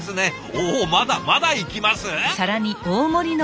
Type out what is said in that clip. おまだまだいきます！？